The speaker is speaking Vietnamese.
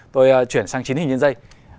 tôi chuyển sang chín hình trên dây